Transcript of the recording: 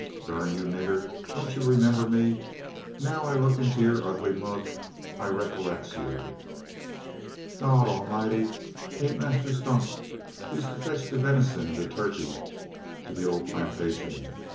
"Durn you, nigger, don't ye remember me? Now I look into yur ugly mug, I recollex you." "Gorramighty! 'tain't Mass 'Tump 't use to fotch de ven'son an de turkey gobbla to de ole plantashun?